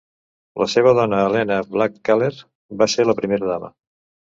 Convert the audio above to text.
La seva dona Elena Blackaller va ser la primera dama.